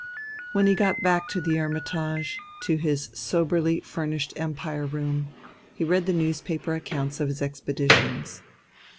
When he got back to the "Hermitage," to his soberly furnished Empire room, he read the newspaper accounts of his expeditions.